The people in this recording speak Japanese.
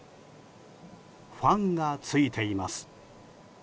ファンが付いています。